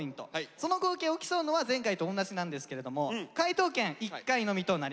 その合計を競うのは前回と同じなんですけれども解答権１回のみとなります。